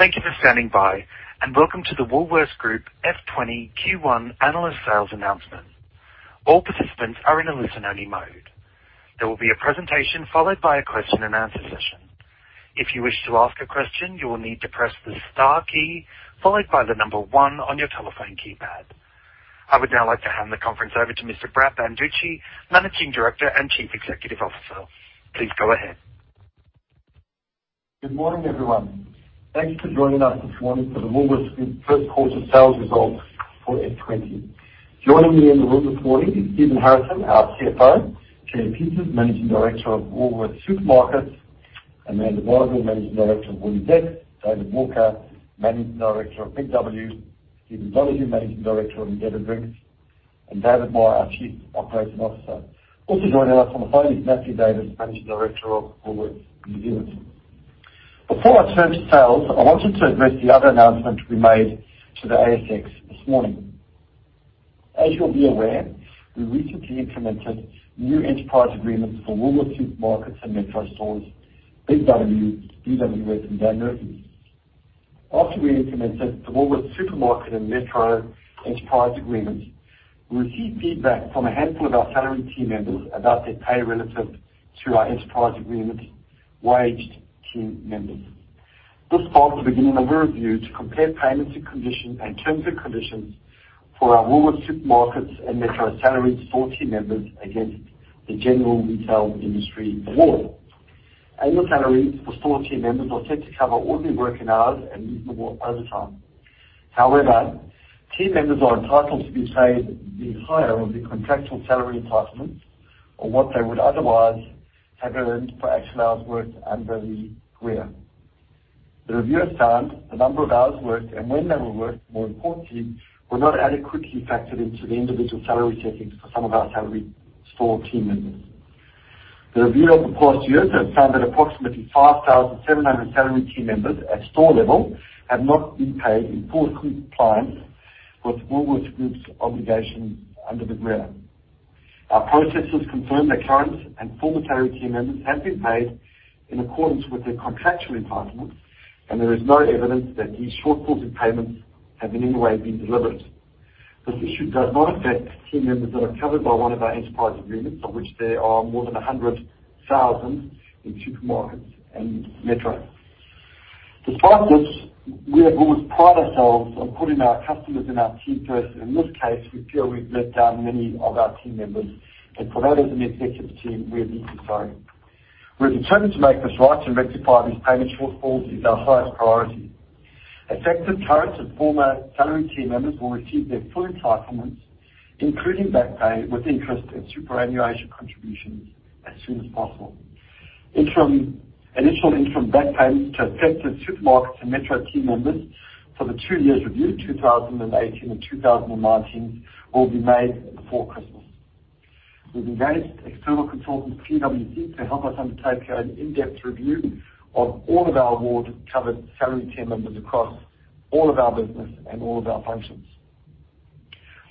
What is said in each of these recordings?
Thank you for standing by, and welcome to the Woolworths Group FY 2020 Q1 analyst sales announcement. All participants are in a listen-only mode. There will be a presentation followed by a question and answer session. If you wish to ask a question, you will need to press the star key followed by the number one on your telephone keypad. I would now like to hand the conference over to Mr. Brad Banducci, Managing Director and Chief Executive Officer. Please go ahead. Good morning, everyone. Thanks for joining us this morning for the Woolworths Group first quarter sales results for F20. Joining me in the room this morning is Stephen Harrison, our CFO, Claire Peters, Managing Director of Woolworths Supermarkets, Amanda Bardwell, Managing Director of WooliesX, David Walker, Managing Director of Big W, Steve Donohue, Managing Director of Endeavour Drinks, and David Moore, our Chief Operating Officer. Also joining us on the phone is Natalie Davis, Managing Director of Woolworths New Zealand. Before I turn to sales, I wanted to address the other announcement we made to the ASX this morning. As you'll be aware, we recently implemented new enterprise agreements for Woolworths Supermarkets and Metro stores, Big W, BWS, and Dan Murphy's. After we implemented the Woolworths Supermarkets and Metro Enterprise Agreement, we received feedback from a handful of our salaried team members about their pay relative to our Enterprise Agreement waged team members. This sparked the beginning of a review to compare payments and conditions, and terms and conditions for our Woolworths Supermarkets and Metro salaried store team members against the General Retail Industry Award. Annual salaries for store team members are set to cover all their working hours and reasonable overtime. However, team members are entitled to be paid the higher of the contractual salary entitlements or what they would otherwise have earned for actual hours worked under the agreement. The review has found the number of hours worked and when they were worked, more importantly, were not adequately factored into the individual salary settings for some of our salaried store team members. The review over the past years have found that approximately 5,700 salaried team members at store level have not been paid in full compliance with Woolworths Group's obligation under the agreement. Our processes confirm that current and former salaried team members have been paid in accordance with their contractual entitlements, and there is no evidence that these shortfall in payments have in any way been deliberate. This issue does not affect team members that are covered by one of our enterprise agreements, of which there are more than a 100,000 in supermarkets and Metro. Despite this, we at Woolworths pride ourselves on putting our customers and our team first, and in this case, we feel we've let down many of our team members, and for that as an executive team, we are deeply sorry. We're determined to make this right and rectify these payment shortfalls, is our highest priority. Affected current and former salaried team members will receive their full entitlements, including back pay, with interest and superannuation contributions as soon as possible. Initial interim back pay to affected supermarkets and Metro team members for the two years reviewed,2018 and 2019, will be made before Christmas. We've engaged external consultant PwC to help us undertake an in-depth review of all of our award-covered salaried team members across all of our business and all of our functions.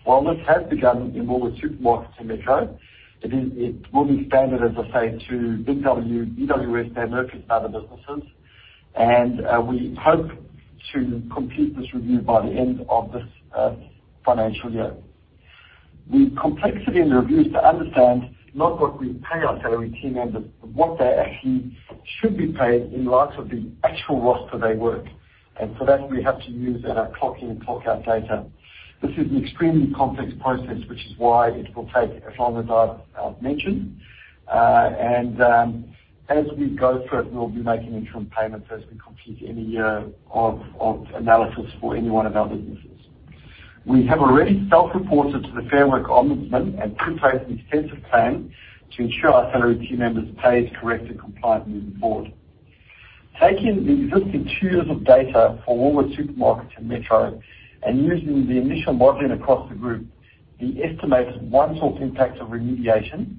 While this has begun in Woolworths Supermarkets and Metro, it will be expanded, as I say, to Big W, BWS, Dan Murphy's and other businesses. We hope to complete this review by the end of this financial year. The complexity in the review is to understand not what we pay our salaried team members, but what they actually should be paid in light of the actual roster they work. And for that, we have to use our clock in and clock out data. This is an extremely complex process, which is why it will take as long as I've mentioned. And as we go through it, we'll be making interim payments as we complete any of analysis for any one of our businesses. We have already self-reported to the Fair Work Ombudsman and put in place an extensive plan to ensure our salaried team members are paid correct and compliant moving forward. Taking the existing two years of data for Woolworths Supermarkets and Metro and using the initial modeling across the group, the estimated one-off impact of remediation,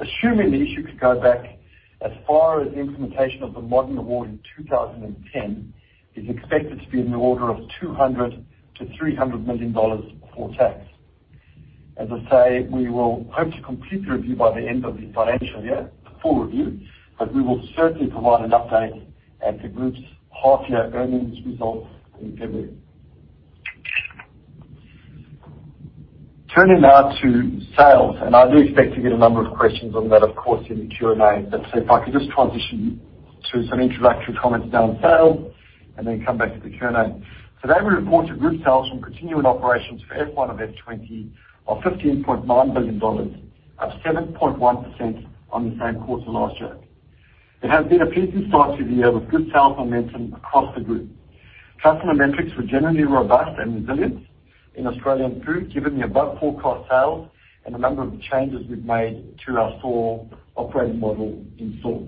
assuming the issue could go back as far as the implementation of the Modern Award in 2010, is expected to be in the order of 200 million-300 million dollars before tax. As I say, we will hope to complete the review by the end of this financial year, the full review, but we will certainly provide an update at the group's half year earnings results in February. Turning now to sales, and I do expect to get a number of questions on that, of course, in the Q&A, but if I could just transition to some introductory comments around sales and then come back to the Q&A. Today, we reported group sales from continuing operations for FY1 and FY2020 of AUD 15.9 billion, up 7.1% on the same quarter last year. It has been a busy start to the year with good sales momentum across the group. Customer metrics were generally robust and resilient in Australian Food, given the above forecast sales and a number of changes we've made to our store operating model in-store.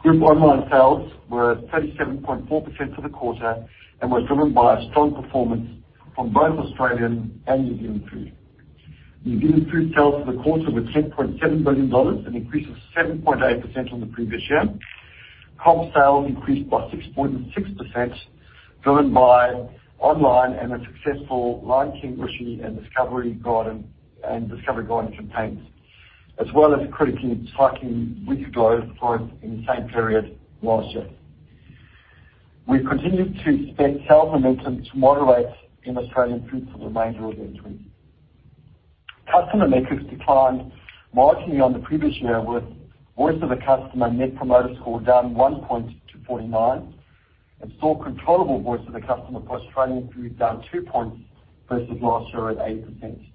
Group online sales were 37.4% for the quarter and were driven by a strong performance from both Australian and New Zealand Food. New Zealand Food sales for the quarter were 10.7 billion dollars, an increase of 7.8% from the previous year. Comp sales increased by 6.6%, driven by online and the successful Lion King movie and Discovery Garden campaigns. as well as comparable sales growth in the same period last year. We've continued to expect sales momentum to moderate in Australian Food for the remainder of FY 2020. Customer metrics declined marginally on the previous year, with voice of the customer net promoter score down one point to 49, and store controllable voice of the customer for Australian Food down two points versus last year at 8%.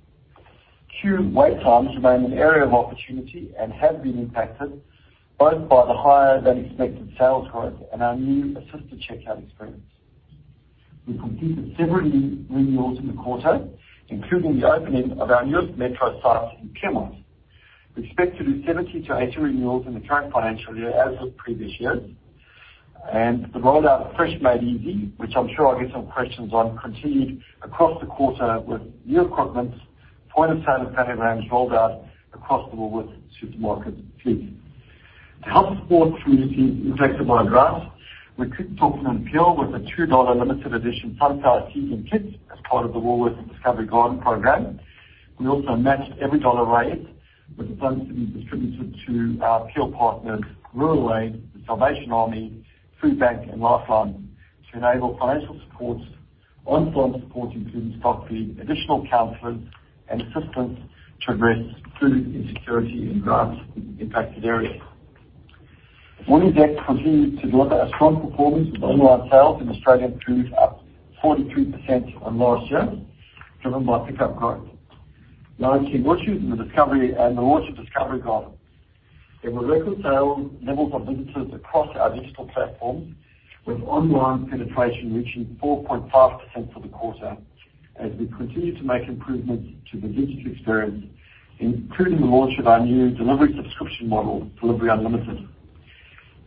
Queue wait times remain an area of opportunity and have been impacted both by the higher-than-expected sales growth and our new assisted checkout experience. We completed several renovations in the quarter, including the opening of our newest Metro site in Claremont. We expect to do 70-80 renewals in the current financial year as in previous years, and the rollout of Fresh Made Easy, which I'm sure I'll get some questions on, continued across the quarter with new equipment, point-of-sale and category range rolled out across the Woolworths supermarket fleet. To help support communities impacted by drought, we kicked off an appeal with a 2 dollar limited edition sunflower seedling kit as part of the Woolworths Discovery Garden program. We also matched every dollar raised, with the funds to be distributed to our key partners, Rural Aid, The Salvation Army, Foodbank, and Lifeline, to enable financial support - on-site support, including stock feed, additional counseling, and assistance to address food insecurity in drought-impacted areas. WooliesX continued to deliver a strong performance with online sales in Australian Food up 42% on last year, driven by pickup growth, launching various in the Discovery and the launch of Discovery Garden. There were record sales, levels of visitors across our digital platforms, with online penetration reaching 4.5% for the quarter as we continue to make improvements to the digital experience, including the launch of our new delivery subscription model, Delivery Unlimited.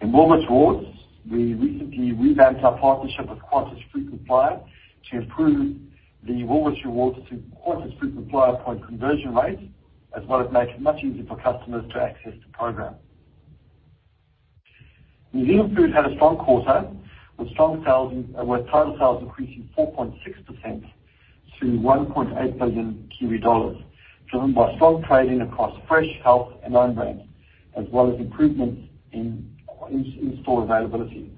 In Woolworths Rewards, we recently revamped our partnership with Qantas Frequent Flyer to improve the Woolworths Rewards to Qantas Frequent Flyer point conversion rate, as well as make it much easier for customers to access the program. New Zealand Food had a strong quarter, with strong sales with total sales increasing 4.6% to 1.8 billion Kiwi dollars, driven by strong trading across fresh, health, and own brands, as well as improvements in in-store availability.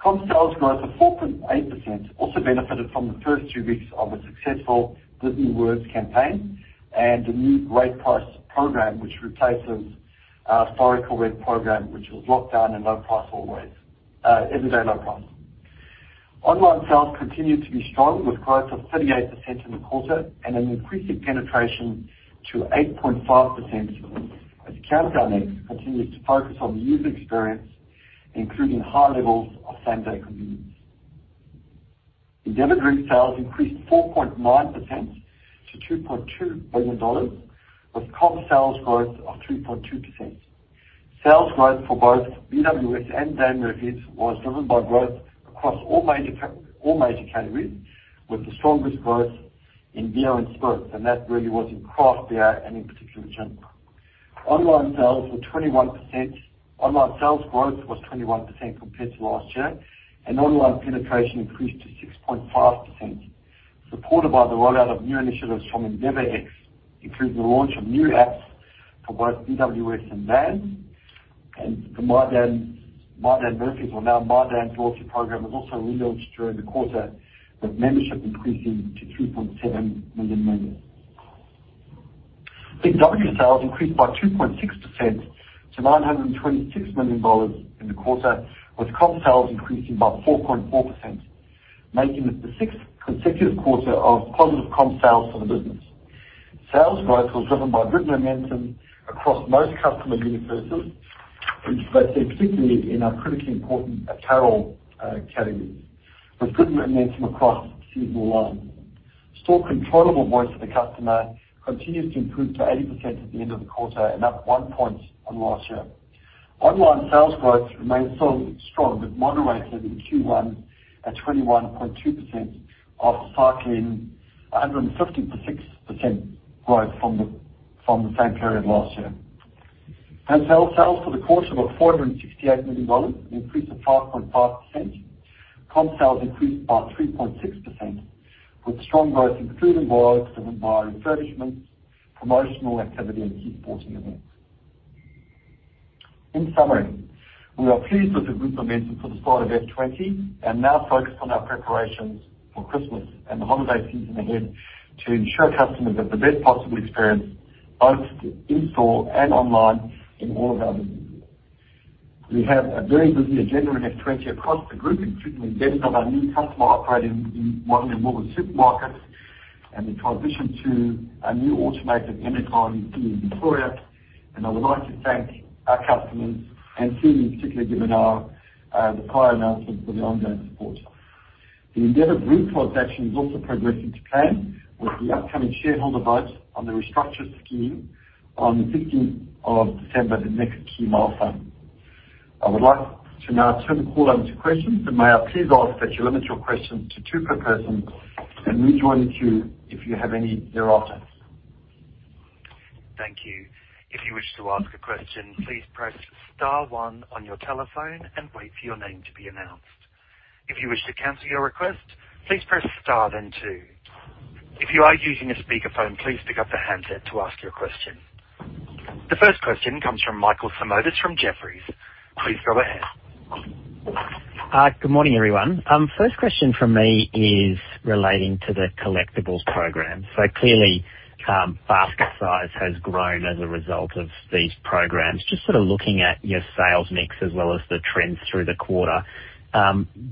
Comp sales growth of 4.8% also benefited from the first two weeks of a successful Disney Words campaign and a new great price program, which replaces our historical red program, which was Locked Down and Low Price Always, Everyday Low Price. Online sales continued to be strong, with growth of 38% in the quarter and an increasing penetration to 8.5%, as Countdown X continues to focus on the user experience, including high levels of same-day convenience. Endeavour Group sales increased 4.9% to 2.2 billion dollars, with comp sales growth of 3.2%. Sales growth for both BWS and Dan Murphy's was driven by growth across all major categories, with the strongest growth in beer and spirits, and that really was in craft beer and in particular, gin. Online sales were 21%. Online sales growth was 21% compared to last year, and online penetration increased to 6.5%, supported by the rollout of new initiatives from Endeavour X, including the launch of new apps for both BWS and Dan, and the My Dan Murphy's, or now My Dan's Loyalty Program, was also relaunched during the quarter, with membership increasing to 2.7 million members. Big W sales increased by 2.6% to 926 million dollars in the quarter, with comp sales increasing by 4.4%, making this the sixth consecutive quarter of positive comp sales for the business. Sales growth was driven by good momentum across most customer universes, which they've seen particularly in our critically important apparel category, with good momentum across seasonal line. Store controllable voice of the customer continues to improve to 80% at the end of the quarter and up 1 point on last year. Online sales growth remains so strong, but moderated in Q1 at 21.2% after cycling 156% growth from the same period last year. Hotels sales for the quarter were 468 million dollars, an increase of 5.5%. Comp sales increased by 3.6%, with strong growth in food and Woolies driven by refurbishments, promotional activity, and key sporting events. In summary, we are pleased with the group momentum for the start of FY 2020twenty and now focused on our preparations for Christmas and the holiday season ahead to ensure customers have the best possible experience both in-store and online in all of our businesses. We have a very busy agenda in FY 2020 across the group, including the embedding of our new customer operating model in Woolworths Supermarkets and the transition to our new automated DC in Victoria. I would like to thank our customers and team, particularly given the prior announcement for the ongoing support. The Endeavour Group transaction is also progressing to plan with the upcoming shareholder vote on the restructure scheme on the fifteenth of December, the next key milestone. I would like to now turn the call on to questions, and may I please ask that you limit your questions to two per person and rejoin the queue if you have any thereafter. Thank you. If you wish to ask a question, please press star one on your telephone and wait for your name to be announced.... If you wish to cancel your request, please press star then two. If you are using a speakerphone, please pick up the handset to ask your question. The first question comes from Michael Simotas from Jefferies. Please go ahead. Good morning, everyone. First question from me is relating to the collectibles program. So clearly, basket size has grown as a result of these programs. Just sort of looking at your sales mix as well as the trends through the quarter,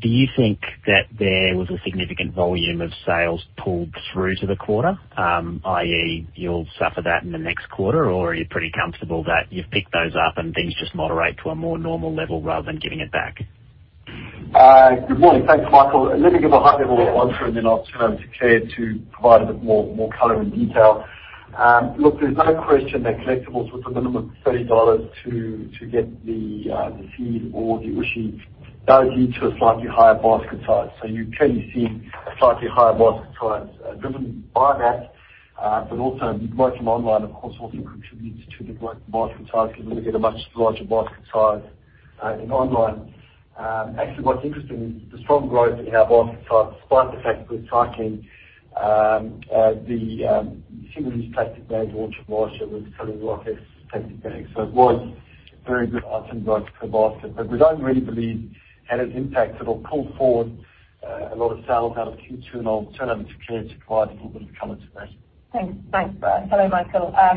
do you think that there was a significant volume of sales pulled through to the quarter? i.e., you'll suffer that in the next quarter, or are you pretty comfortable that you've picked those up and things just moderate to a more normal level rather than giving it back? Good morning. Thanks, Michael. Let me give a high level answer, and then I'll turn over to Claire to provide a bit more color and detail. Look, there's no question that collectibles, with a minimum of 30 dollars to get the seed or the Ooshie, drives you to a slightly higher basket size. So you clearly see a slightly higher basket size driven by that. But also growth in online, of course, also contributes to the growth in basket size because we get a much larger basket size in online. Actually, what's interesting, the strong growth in our basket size, despite the fact we're cycling the single-use plastic bag launch in March that was coming right after plastic bags. So it was very good item growth for basket, but we don't really believe had an impact that will pull forward, a lot of sales out of Q2, and I'll turn over to Claire to provide a little bit of color to that. Thanks. Thanks, Brad. Hello, Michael. I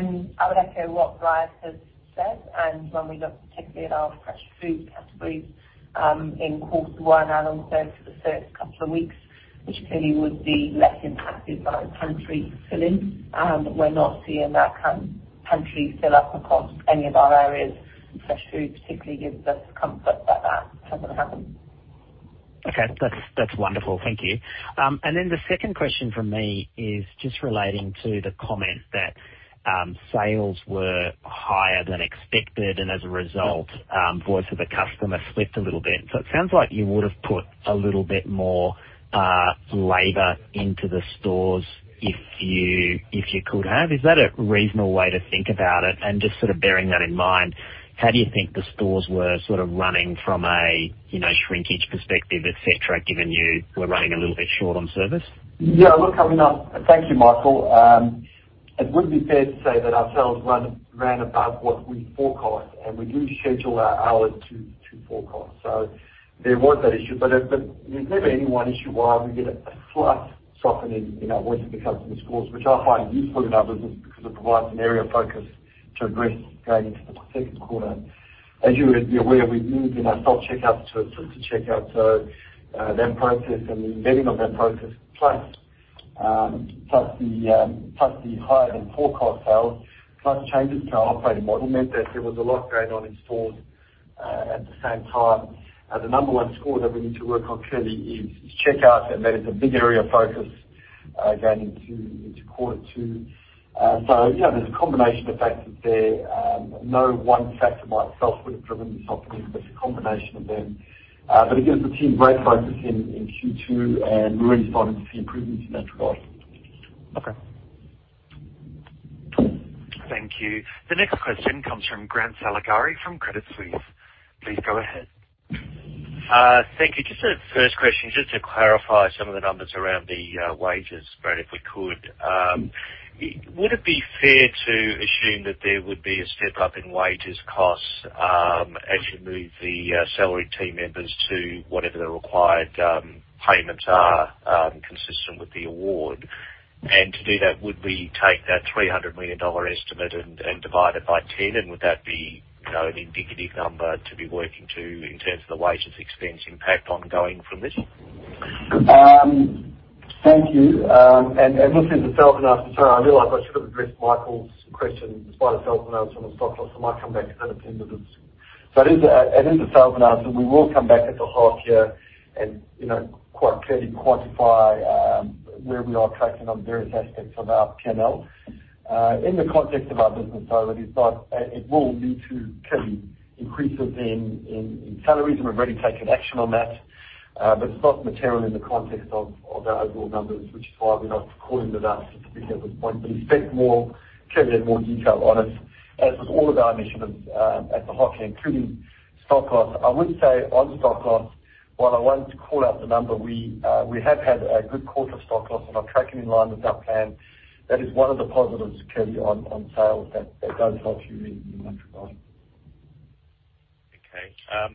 would echo what Brad has said, and when we look particularly at our fresh food categories, in quarter one, and also for the first couple of weeks, which clearly would be less impacted by the pantry filling, we're not seeing that kind of pantry fill up across any of our areas. Fresh food particularly gives us comfort that that hasn't happened. Okay. That's, that's wonderful. Thank you. And then the second question from me is just relating to the comment that sales were higher than expected, and as a result, voice of the customer slipped a little bit. So it sounds like you would have put a little bit more labor into the stores if you, if you could have. Is that a reasonable way to think about it? And just sort of bearing that in mind, how do you think the stores were sort of running from a, you know, shrinkage perspective, et cetera, given you were running a little bit short on service? Yeah, look, I mean, thank you, Michael. It would be fair to say that our sales ran above what we forecast, and we do schedule our hours to forecast. So there was that issue. But, but there's never any one issue why we get a slight softening in our voice of the customer scores, which I find useful in our business because it provides an area of focus to address going into the second quarter. As you would be aware, we moved in our self-checkouts to assisted checkouts, so, that process and the embedding of that process, plus the higher-than-forecast sales, plus changes to our operating model, meant that there was a lot going on in stores, at the same time. The number one score that we need to work on clearly is checkout, and that is a big area of focus going into quarter two, so yeah, there's a combination of factors there. No one factor by itself would have driven the softening, but it's a combination of them, but it gives the team great focus in Q2, and we're really starting to see improvements in that regard. Okay. Thank you. The next question comes from Grant Saligari from Credit Suisse. Please go ahead. Thank you. Just a first question, just to clarify some of the numbers around the wages, Brad, if we could. Would it be fair to assume that there would be a step-up in wages costs as you move the salaried team members to whatever the required payments are consistent with the award? And to do that, would we take that 300 million dollar estimate and divide it by ten, and would that be, you know, an indicative number to be working to in terms of the wages expense impact ongoing from this? Thank you, and listen, the sales announcement, sorry, I realize I should have addressed Michael's question despite the sales announcement on the stock loss. I might come back to that at the end of this, so it is a sales announcement. We will come back at the half year and, you know, quite clearly quantify where we are tracking on various aspects of our PNL. In the context of our business, though, that is like, it will lead to clearly increases in salaries, and we've already taken action on that. But it's not material in the context of our overall numbers, which is why we're not calling it out specifically at this point, but expect more, clearly in more detail on it, as with all of our measurements at the half year, including stock loss. I would say on stock loss, while I wanted to call out the number, we have had a good quarter stock loss, and are tracking in line with our plan. That is one of the positives clearly on sales that does help you in aggregate. Okay,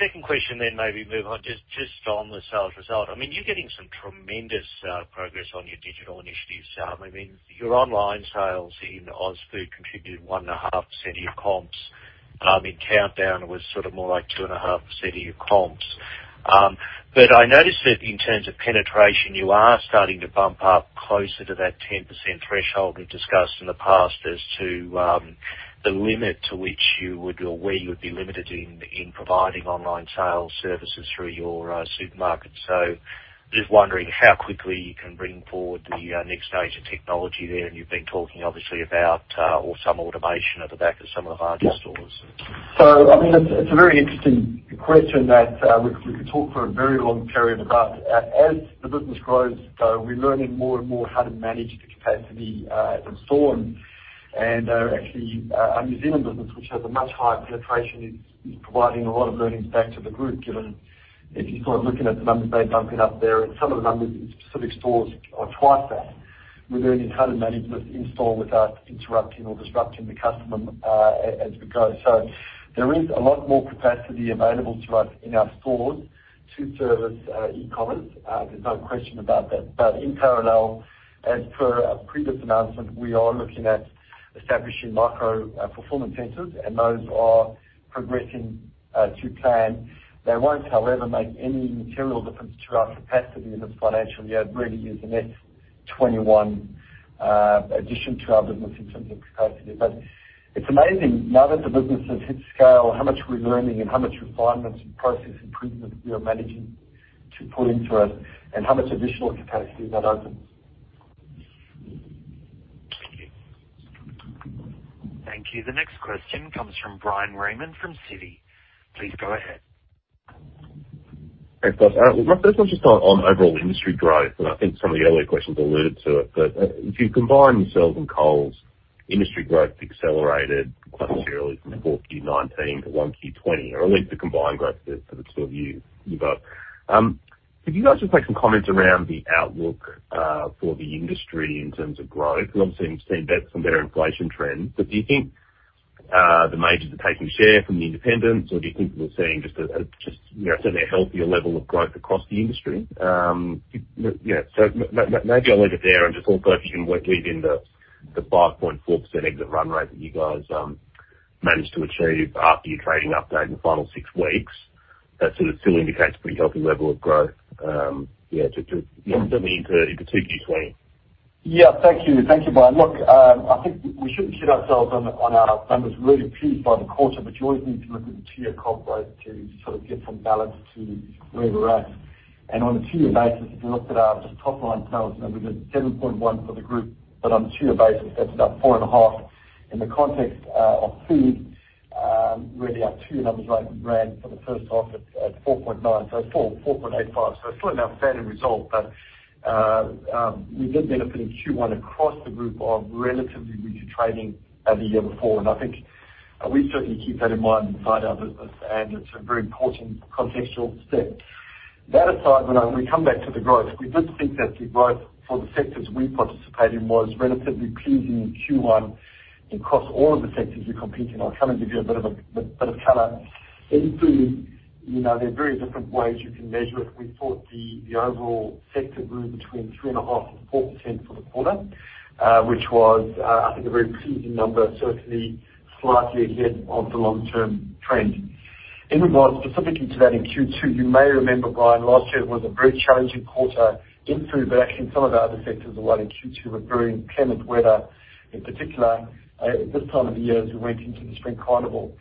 second question then maybe move on. Just, just on the sales result, I mean, you're getting some tremendous progress on your digital initiatives. I mean, your online sales in AusFood contributed 1.5% of your comps. In Countdown, it was sort of more like 2.5% of your comps. But I noticed that in terms of penetration, you are starting to bump up closer to that 10% threshold we've discussed in the past as to the limit to which you would or where you would be limited in providing online sales services through your supermarket. So just wondering how quickly you can bring forward the next stage of technology there. And you've been talking obviously about or some automation at the back of some of the larger stores. So, I mean, it's a very interesting question that we could talk for a very long period about. As the business grows, though, we're learning more and more how to manage the capacity in store. And actually, our New Zealand business, which has a much higher penetration, is providing a lot of learnings back to the group, given if you're sort of looking at the numbers they're bumping up there, and some of the numbers in specific stores are twice that. We're learning how to manage in store without interrupting or disrupting the customer as we go. So there is a lot more capacity available to us in our stores to service e-commerce, there's no question about that. But in parallel, as per our previous announcement, we are looking at establishing micro-fulfillment centers, and those are progressing to plan. They won't, however, make any material difference to our capacity in this financial year. It really is the next twenty one addition to our business in terms of capacity. But it's amazing, now that the business has hit scale, how much we're learning and how much refinements and process improvements we are managing to put into it, and how much additional capacity that opens. Thank you. Thank you. The next question comes from Bryan Raymond from Citi. Please go ahead. Thanks, guys. My first one's just on overall industry growth, and I think some of the earlier questions alluded to it. But if you combine yourselves and Coles, industry growth accelerated quite materially from the fourth Q 2019 to 1Q 2020, or at least the combined growth for the two of you. Could you guys just make some comments around the outlook for the industry in terms of growth? Because obviously we've seen some better inflation trends. But do you think the majors are taking share from the independents, or do you think we're seeing just a just you know certainly a healthier level of growth across the industry? You know, so maybe I'll leave it there, and just also if you can weave in the 5.4% exit run rate that you guys managed to achieve after your trading update in the final six weeks. That sort of still indicates a pretty healthy level of growth, yeah, just, you know, certainly into 2Q 2020. Yeah. Thank you. Thank you, Brian. Look, I think we shouldn't kid ourselves on our numbers really pleased by the quarter, but you always need to look at the two-year comp growth to sort of get some balance to where we're at. And on a two-year basis, if you looked at our just top line sales number, 7.1 for the group, but on a two-year basis, that's about 4.5. In the context of food, really our two numbers ran for the first half at 4.9, so 4.85. So still an outstanding result, but we did benefit in Q1 across the group of relatively weaker trading the year before. And I think we certainly keep that in mind inside our business, and it's a very important contextual step. That aside, when we come back to the growth, we did think that the growth for the sectors we participate in was relatively pleasing in Q1 across all of the sectors we compete in. I'll kind of give you a bit of, a bit of color. In food, you know, there are very different ways you can measure it. We thought the overall sector grew between 3.5% and 4% for the quarter, which was, I think, a very pleasing number, certainly slightly ahead of the long-term trend. In regard specifically to that in Q2, you may remember, Bryan, last year was a very challenging quarter in food, but actually some of our other sectors as well in Q2, with very inclement weather, in particular, at this time of the year as we went into the spring carnival.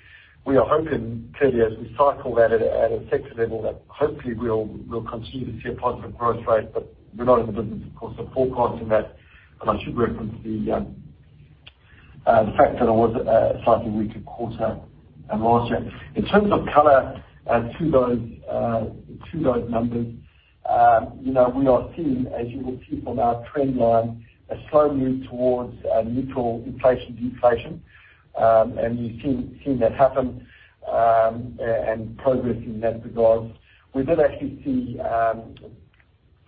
We are hoping clearly as we cycle that at a sector level, that hopefully we'll continue to see a positive growth rate, but we're not in the business, of course, of forecasting that, and I should reference the fact that it was a slightly weaker quarter last year. In terms of color to those numbers, you know, we are seeing, as you would see from our trend line, a slow move towards a neutral inflation deflation, and we've seen that happen and progress in that regard. We did actually see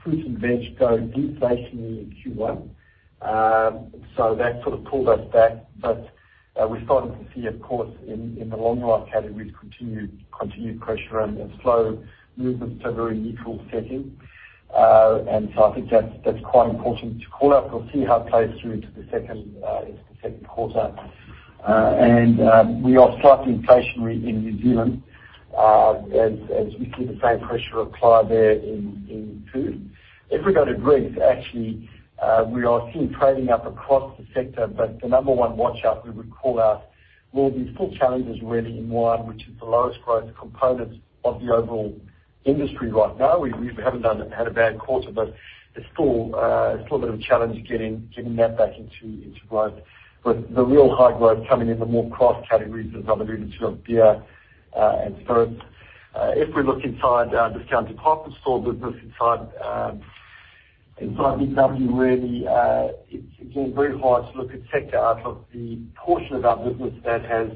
fruit and veg go deflationary in Q1, so that sort of pulled us back, but we're starting to see, of course, in the longer life categories, continued pressure and slow movement to a very neutral setting. I think that's quite important to call out. We'll see how it plays through to the second quarter. We are slightly inflationary in New Zealand, as we see the same pressure apply there in food. If we go to drinks, actually, we are seeing trading up across the sector, but the number one watch out we would call out will be volume challenges really in wine, which is the lowest growth component of the overall industry right now. We haven't had a bad quarter, but it's still a bit of a challenge getting that back into growth. The real high growth coming in the more core categories, as I mentioned, of beer and spirits. If we look inside our Discount Department Store business, inside Big W, really, it's again very hard to look at sector out of the portion of our business that has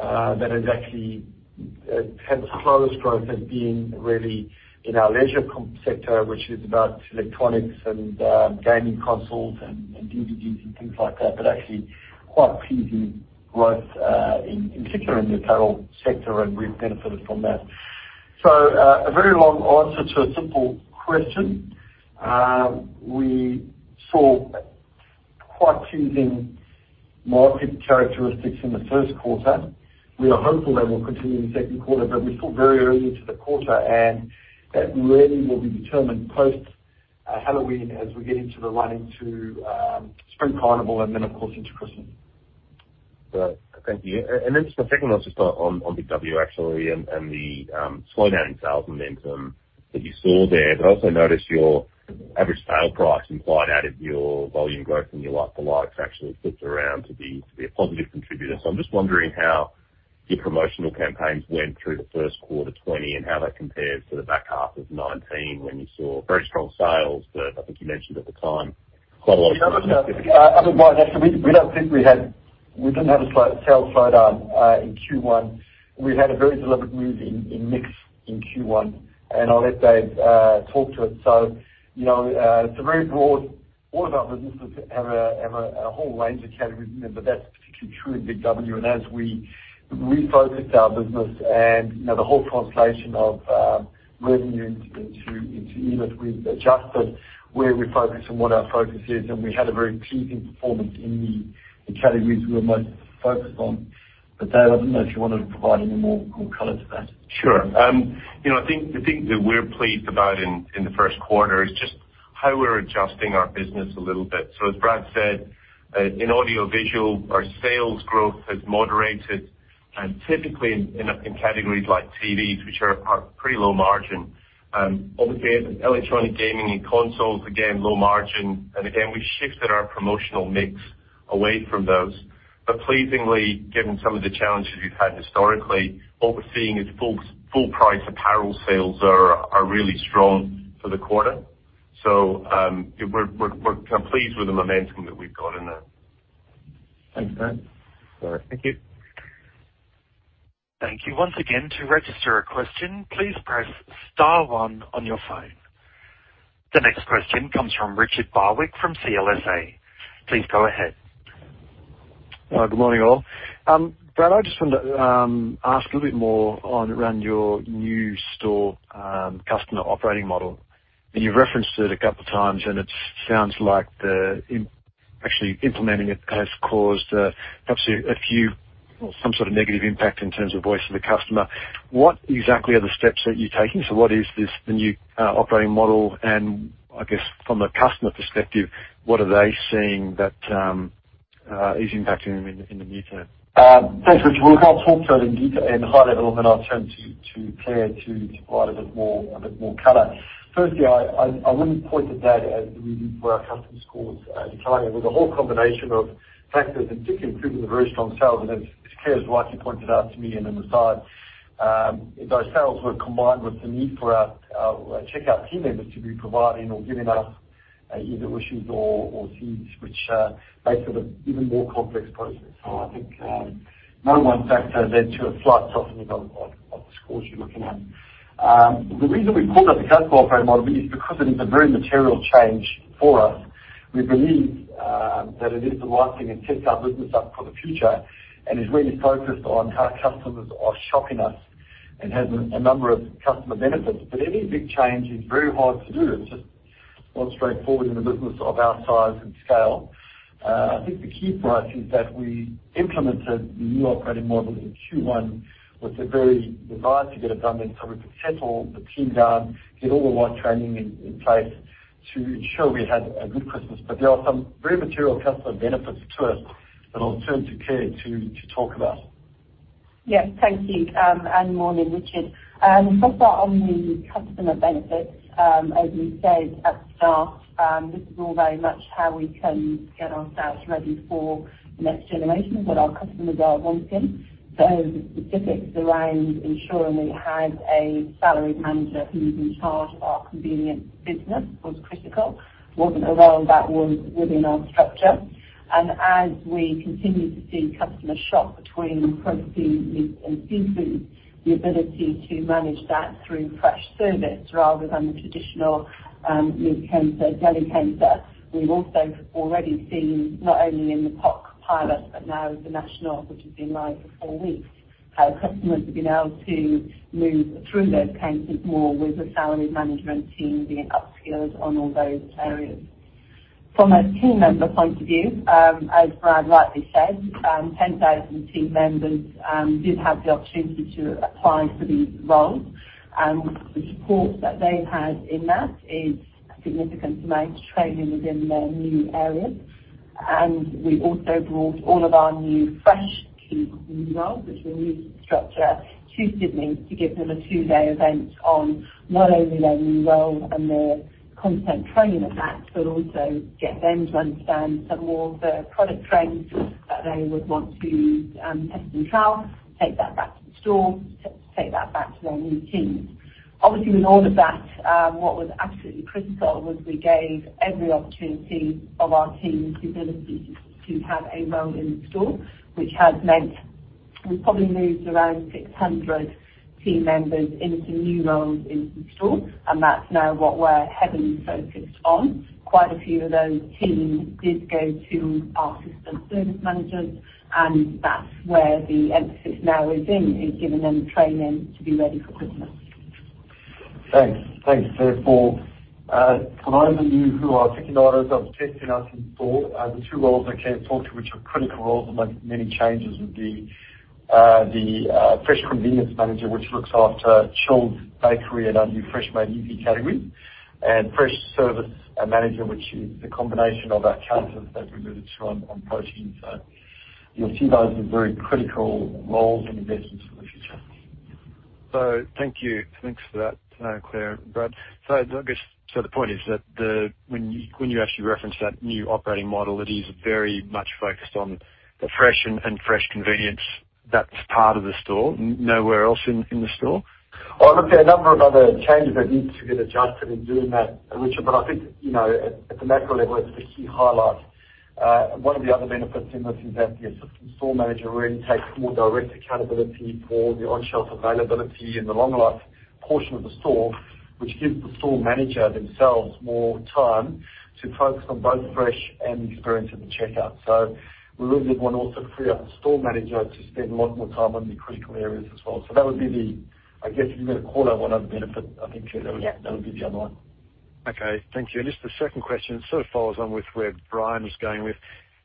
actually had the slowest growth has been really in our leisure comp sector, which is about electronics and gaming consoles and DVDs and things like that. But actually quite pleasing growth, particularly in the travel sector, and we've benefited from that. So, a very long answer to a simple question. We saw quite pleasing market characteristics in the first quarter. We are hopeful they will continue in the second quarter, but we're still very early into the quarter, and that really will be determined post Halloween as we get into the running to Spring Carnival and then, of course, into Christmas. Great. Thank you. And then just a second one, just on Big W, actually, and the slowdown in sales momentum that you saw there. But I also noticed your average sale price implied out of your volume growth and your like-for-likes actually flipped around to be a positive contributor. So I'm just wondering how your promotional campaigns went through the first quarter 2020, and how that compares to the back half of 2019, when you saw very strong sales, but I think you mentioned at the time, quite a lot of- Yeah, I don't mind. Actually, we don't think we had a slight sales slowdown in Q1. We didn't have a slight sales slowdown in Q1. We had a very deliberate move in mix in Q1, and I'll let Dave talk to it. So, you know, it's very broad. All of our businesses have a whole range of categories, but that's particularly true in Big W. And as we refocused our business and, you know, the whole translation of revenue into EBIT, we've adjusted where we focus and what our focus is, and we had a very pleasing performance in the categories we were most focused on. But Dave, I don't know if you want to provide any more color to that. Sure. You know, I think the thing that we're pleased about in the first quarter is just how we're adjusting our business a little bit. So as Brad said, in audio visual, our sales growth has moderated, and typically in categories like TVs, which are pretty low margin. Obviously, electronic gaming and consoles, again, low margin. And again, we've shifted our promotional mix away from those. But pleasingly, given some of the challenges we've had historically, what we're seeing is folks-- full price apparel sales are really strong for the quarter. So, we're pleased with the momentum that we've got in there. Thanks, Brad. All right. Thank you. Thank you. Once again, to register a question, please press star one on your phone. The next question comes from Richard Barwick, from CLSA. Please go ahead. Good morning, all. Brad, I just wanted to ask a little bit more on around your new store customer operating model. You've referenced it a couple of times, and it sounds like actually implementing it has caused perhaps a few or some sort of negative impact in terms of voice of the customer. What exactly are the steps that you're taking? So what is this, the new operating model? And I guess from a customer perspective, what are they seeing that is impacting them in the near term? Thanks, Richard. Well, I'll talk to that in detail, in high level, and then I'll turn to Claire to provide a bit more color. Firstly, I wouldn't point to that as the reason for our customer scores declining. There's a whole combination of factors, and particularly including the very strong sales, and as Claire's rightly pointed out to me and aside, those sales were combined with the need for our checkout team members to be providing or giving us either issues or seeds, which makes it an even more complex process. So I think more than one factor led to a slight softening of the scores you're looking at. The reason we called it the customer operating model is because it is a very material change for us. We believe that it is the right thing and sets our business up for the future and is really focused on how customers are shopping us and has a number of customer benefits, but any big change is very hard to do. It's just not straightforward in a business of our size and scale. I think the key for us is that we implemented the new operating model in Q1, was a very desire to get it done then, so we could settle the team down, get all the right training in place to ensure we had a good Christmas, but there are some very material customer benefits to it that I'll turn to Claire to talk about. Yes, thank you, and morning, Richard. To start on the customer benefits, as we said at the start, this is all very much how we can get ourselves ready for the next generation of what our customers are wanting. So the specifics around ensuring we had a salaried manager who's in charge of our convenience business was critical. Wasn't a role that was within our structure. And as we continue to see customers shop between protein, meat, and seafood, the ability to manage that through fresh service rather than the traditional meat counter, deli counter. We've also already seen, not only in the POC pilot, but now the national, which has been live for four weeks, how customers have been able to move through those counters more with the salaried management team being upskilled on all those areas. From a team member point of view, as Brad rightly said, 10,000 team members did have the opportunity to apply for these roles. And the support that they've had in that is significant amount of training within their new areas. And we also brought all of our new fresh team roles, which were new structure to Sydney, to give them a two-day event on not only their new role and the content training of that, but also get them to understand some of all the product trends that they would want to test and trial, take that back to the store, take that back to their new teams. Obviously, with all of that, what was absolutely critical was we gave every opportunity of our team the ability to have a role in the store, which has meant we probably moved around 600 team members into new roles in the store, and that's now what we're heavily focused on. Quite a few of those teams did go to our assistant service managers, and that's where the emphasis now is, is giving them training to be ready for Christmas. Thanks. Thanks, Claire. For those of you who are ticking items of testing us in store, the two roles that Claire talked to, which are critical roles among many changes, would be the Fresh Convenience Manager, which looks after chilled bakery and our new Fresh Made Easy category, and Fresh Service Manager, which is the combination of our counters that we moved to on protein. So you'll see those as very critical roles and investments for the future.... So thank you. Thanks for that, Claire and Brad. So I guess, so the point is that when you actually reference that new operating model, it is very much focused on the fresh and fresh convenience that's part of the store, nowhere else in the store? Oh, look, there are a number of other changes that need to get adjusted in doing that, Richard, but I think, you know, at the macro level, it's a key highlight. One of the other benefits in this is that the assistant store manager really takes more direct accountability for the on-shelf availability and the long life portion of the store, which gives the store manager themselves more time to focus on both fresh and the experience at the checkout. So we really did want to also free up the store manager to spend a lot more time on the critical areas as well. So that would be the... I guess, if you're going to call out one other benefit, I think that would be the other one. Okay. Thank you. And just the second question sort of follows on with where Bryan was going with.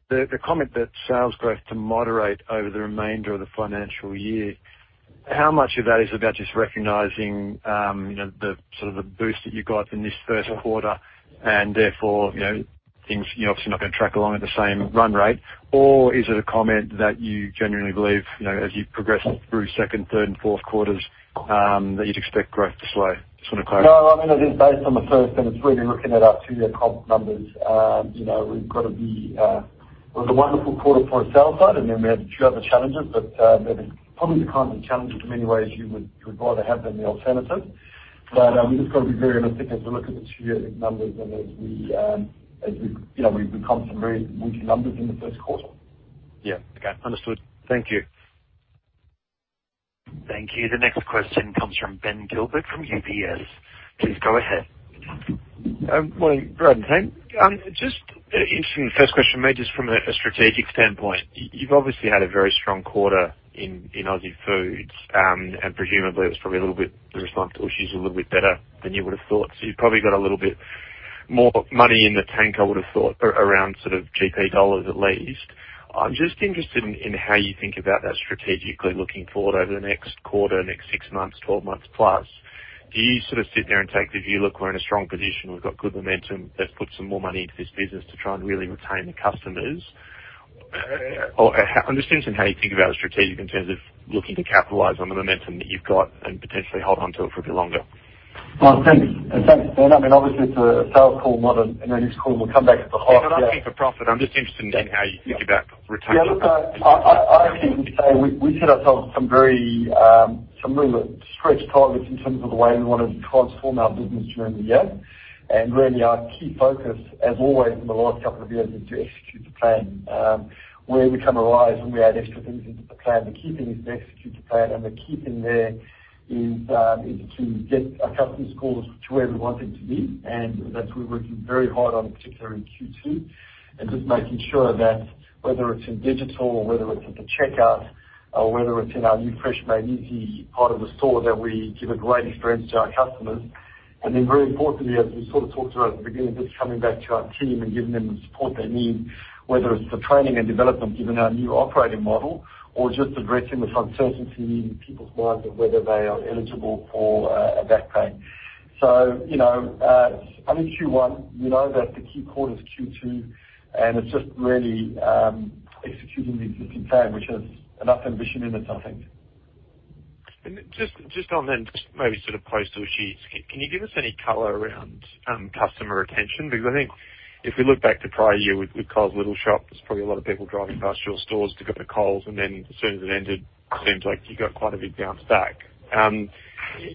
The comment that sales growth to moderate over the remainder of the financial year, how much of that is about just recognizing, you know, the sort of the boost that you got in this first quarter, and therefore, you know, things, you're obviously not going to track along at the same run rate? Or is it a comment that you generally believe, you know, as you progress through second, third, and fourth quarters, that you'd expect growth to slow? Just want to clarify. No, I mean, I think based on the first semester, really looking at our two-year comp numbers, you know, we've got to be. It was a wonderful quarter for our sales side, and then we had a few other challenges, but probably the kind of challenges in many ways you would rather have than the alternative. But we've just got to be very realistic as we look at the two-year numbers and as we've, you know, we've become some very meaty numbers in the first quarter. Yeah. Okay. Understood. Thank you. Thank you. The next question comes from Ben Gilbert, from UBS. Please go ahead. Morning, Brad and team. Just interesting, first question may just from a strategic standpoint, you've obviously had a very strong quarter in Aussie Foods, and presumably it was probably a little bit. The response to Woolworths was a little bit better than you would have thought. So you've probably got a little bit more money in the tank, I would have thought, around sort of GP dollars, at least. I'm just interested in how you think about that strategically looking forward over the next quarter, next six months, 12 months+. Do you sort of sit there and take the view, "Look, we're in a strong position, we've got good momentum, let's put some more money into this business to try and really retain the customers?" or I'm just interested in how you think about strategic in terms of looking to capitalize on the momentum that you've got and potentially hold on to it for a bit longer? Well, thanks. And thanks, Ben. I mean, obviously, it's a sales call, not an earnings call. We'll come back at the half year- Not asking for profit. I'm just interested in how you think about retention. Yeah, look, I think we set ourselves some very, really stretched targets in terms of the way we wanted to transform our business during the year, and really, our key focus, as always in the last couple of years, is to execute the plan. Where we come alive and we add extra things into the plan, the key thing is to execute the plan, and the key thing there is to get our customers' calls to where we want them to be, and that we're working very hard on, particularly in Q2, and just making sure that whether it's in digital or whether it's at the checkout or whether it's in our new Fresh Made Easy part of the store, that we give a great experience to our customers. And then, very importantly, as we sort of talked about at the beginning, just coming back to our team and giving them the support they need, whether it's for training and development, given our new operating model, or just addressing this uncertainty in people's minds of whether they are eligible for a back pay. So, you know, only Q1, we know that the key quarter is Q2, and it's just really executing the existing plan, which has enough ambition in it, I think. Just on then, maybe sort of close to the chest. Can you give us any color around customer retention? Because I think if we look back to prior year with Coles Little Shop, there's probably a lot of people driving past your stores to go to Coles, and then as soon as it ended, seems like you got quite a big bounce back.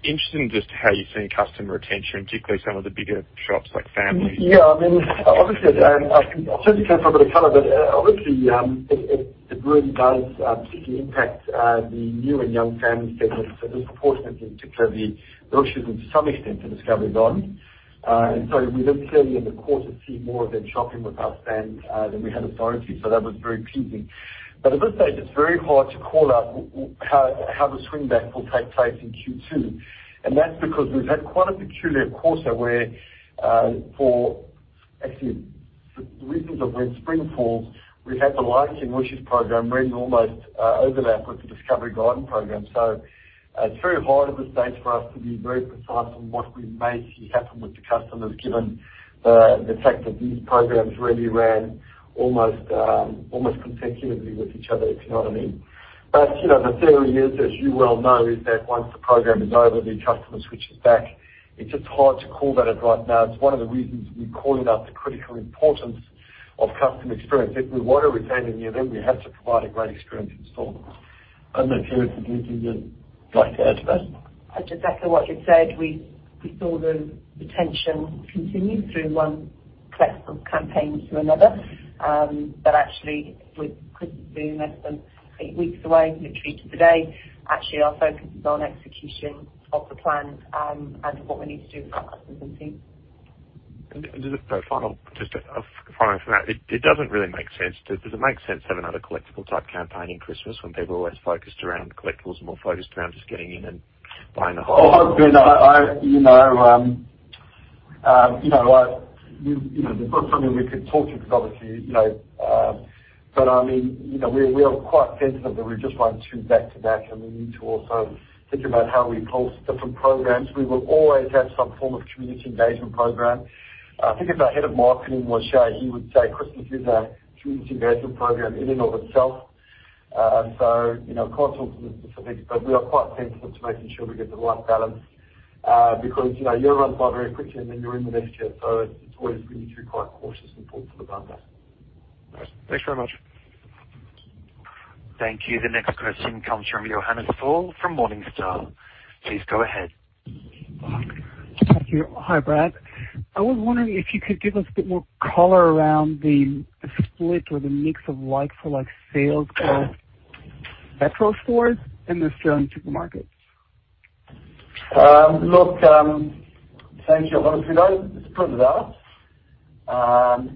Interested in just how you're seeing customer retention, particularly some of the bigger shops like family. Yeah, I mean, obviously, and I'll certainly provide some color, but obviously, it really does particularly impact the new and young families that were disproportionate, in particular, the others to some extent, the Discovery Garden, and so we then clearly in the quarter see more of them shopping with us than we had anticipated. So that was very pleasing, but at this stage, it's very hard to call out how the swing back will take place in Q2, and that's because we've had quite a peculiar quarter, where actually the reason is when spring falls, we've had the Lion King Ooshies program really almost overlap with the Discovery Garden program. It's very hard at this stage for us to be very precise on what we may see happen with the customers, given the fact that these programs really ran almost consecutively with each other, if you know what I mean. But you know, the theory is, as you well know, that once the program is over, the customer switches back. It's just hard to call that out right now. It's one of the reasons we're calling out the critical importance of customer experience. If we want to retain the new, then we have to provide a great experience in store. I don't know, Claire, if you'd like to add to that? Exactly what you said, we saw the retention continue through one collection of campaigns to another, but actually, we're quickly less than eight weeks away, literally today. Actually, our focus is on execution of the plans, and what we need to do with our customers and team. And just a final from that, it doesn't really make sense. Does it make sense to have another collectible type campaign in Christmas when people are less focused around collectibles and more focused around just getting in and buying a whole- You know, there's not something we could talk to because obviously, you know... but I mean, you know, we are quite sensitive, and we just want to back to back, and we need to also think about how we pulse different programs. We will always have some form of community engagement program. I think if our head of marketing was here, he would say Christmas is a community engagement program in and of itself, so you know, can't talk to the specifics, but we are quite sensitive to making sure we get the right balance, because, you know, year runs by very quickly, and then you're in the next year, so it's always been true, quite cautious and thoughtful about that. Thanks very much. Thank you. The next question comes from Johannes Faul from Morningstar. Please go ahead. Thank you. Hi, Brad. I was wondering if you could give us a bit more color around the split or the mix of like-for-like sales for Metro stores and Australian supermarkets. Look, thanks, Johannes. We don't split it out.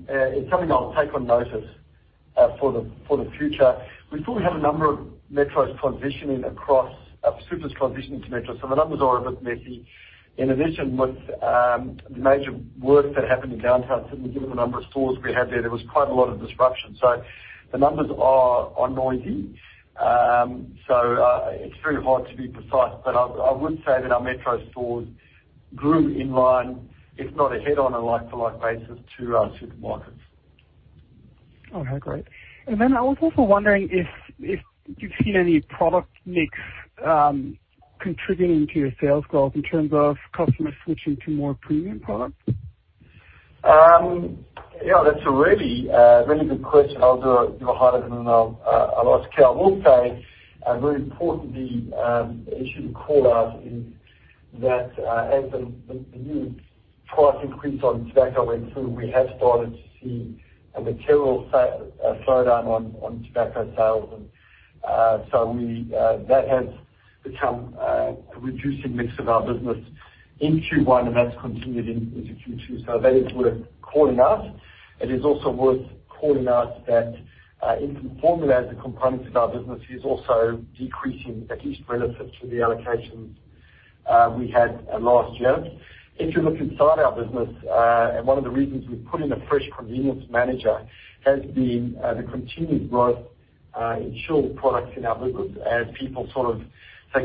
It's something I'll take on notice, for the future. We still have a number of Metros transitioning across, Supers transitioning to Metro, so the numbers are a bit messy. In addition, with the major works that happened in downtown Sydney, given the number of stores we had there, there was quite a lot of disruption. So the numbers are noisy. So, it's very hard to be precise, but I would say that our Metro stores grew in line, if not ahead on a like-for-like basis, to supermarkets. Okay, great. And then I was also wondering if you've seen any product mix contributing to your sales growth in terms of customers switching to more premium products? Yeah, that's a really really good question. I'll do a higher level then I'll ask Claire. I would say very importantly it should call out is that as the new price increase on tobacco went through, we have started to see a material slowdown on tobacco sales. And so that has become a reducing mix of our business in Q1, and that's continued into Q2, so that is worth calling out. It is also worth calling out that infant formula as a component of our business is also decreasing, at least relative to the allocations we had last year. If you look inside our business, and one of the reasons we've put in a fresh convenience manager, has been, the continued growth, in chilled products in our business as people sort of take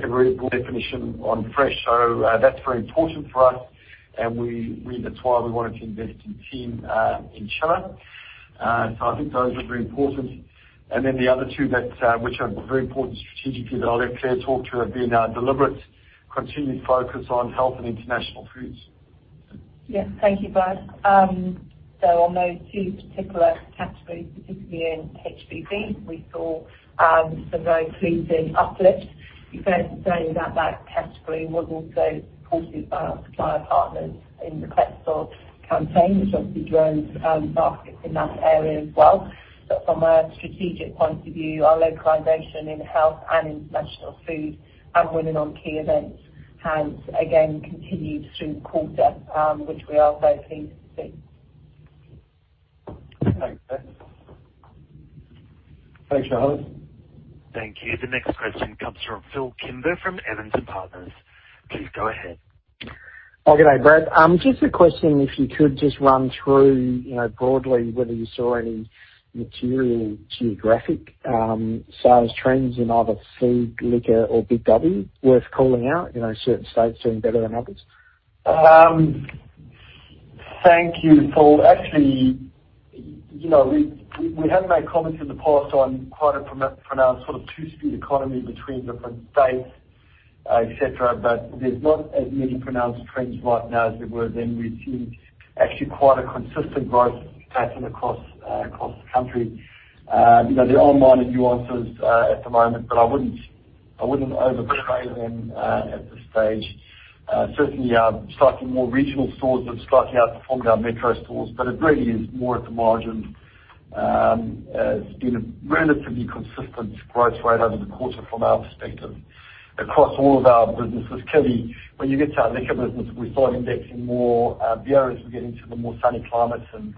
a very broad definition on fresh. So, that's very important for us, and we. That's why we wanted to invest in team, in China. So I think those are very important. And then the other two that, which are very important strategically, that I'll let Claire talk to, have been our deliberate, continued focus on health and international foods. Yes. Thank you, Brad. So on those two particular categories, specifically in H&B, we saw some very pleasing uplifts. You first saying that that category was also prompted by our supplier partners in the collectible campaign, which obviously drove markets in that area as well. But from a strategic point of view, our localization in health and international food and winning on key events has again continued through the quarter, which we are very pleased to see. Thanks, Claire. Thanks, Johannes. Thank you. The next question comes from Phil Kimber, from Evans & Partners. Please go ahead. Oh, g'day, Brad. Just a question, if you could just run through, you know, broadly whether you saw any material geographic sales trends in either food, liquor, or Big W worth calling out, you know, certain states doing better than others? Thank you, Paul. Actually, you know, we have made comments in the past on quite a pronounced, sort of two-speed economy between different states, et cetera, but there's not as many pronounced trends right now as there were then. We've seen actually quite a consistent growth pattern across the country. You know, there are minor nuances at the moment, but I wouldn't overplay them at this stage. Certainly our slightly more regional stores have slightly outperformed our Metro stores, but it really is more at the margins. It's been a relatively consistent growth rate over the quarter from our perspective across all of our businesses. Clearly, when you get to our liquor business, we saw it indexing more beers as we get into the more sunny climates and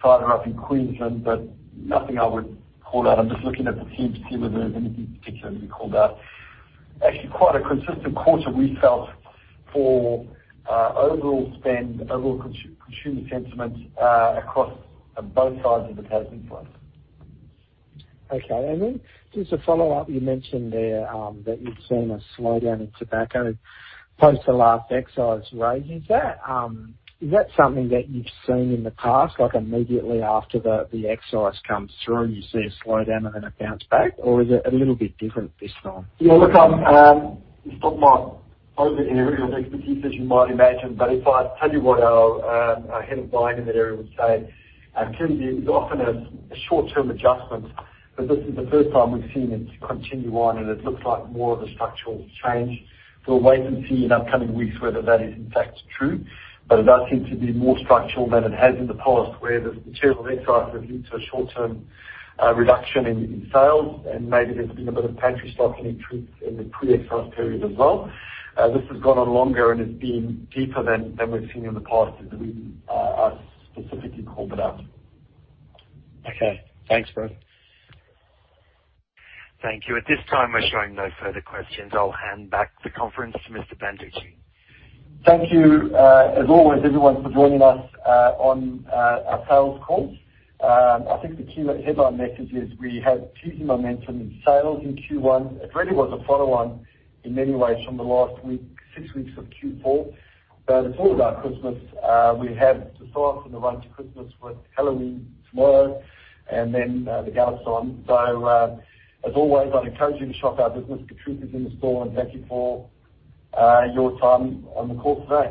farther up in Queensland, but nothing I would call out. I'm just looking at the teams to see whether there's anything particular to be called out. Actually, quite a consistent quarter we felt for overall spend, overall consumer sentiment across both sides of the business for us. Okay. And then just to follow up, you mentioned there, that you've seen a slowdown in tobacco post the last excise raise. Is that something that you've seen in the past? Like immediately after the excise comes through, you see a slowdown and then a bounce back, or is it a little bit different this time? Yeah, look, it's not my core area of expertise, as you might imagine, but if I tell you what our head of buying in that area would say, clearly it's often a short-term adjustment, but this is the first time we've seen it continue on, and it looks like more of a structural change. We'll wait and see in upcoming weeks whether that is in fact true, but it does seem to be more structural than it has in the past, where the material excise has led to a short-term reduction in sales, and maybe there's been a bit of pantry stocking in the pre-excise period as well. This has gone on longer, and it's been deeper than we've seen in the past, as we specifically called it out. Okay. Thanks, Brad. Thank you. At this time, we're showing no further questions. I'll hand back the conference to Mr. Banducci. Thank you, as always, everyone, for joining us on our sales call. I think the key headline message is we have pleasing momentum in sales in Q1. It really was a follow-on in many ways from the last week, six weeks of Q4, but it's all about Christmas. We have the start from the run to Christmas, with Halloween tomorrow and then the Cup. So, as always, I'd encourage you to shop our business. Patrice is in the store, and thank you for your time on the call today.